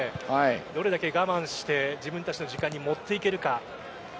どれだけ我慢して自分たちの時間に持っていけるか。